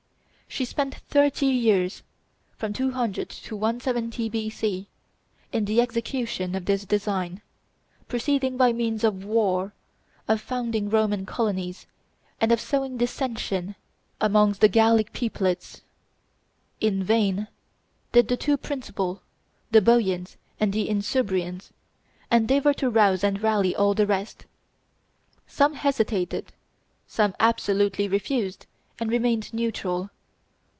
She spent thirty years (from 200 to 170 B.C.) in the execution of this design, proceeding by means of war, of founding Roman colonies, and of sowing dissension amongst the Gallic peoplets. In vain did the two principal, the Boians and the Insubrians, endeavor to rouse and rally all the rest: some hesitated; some absolutely refused, and remained neutral.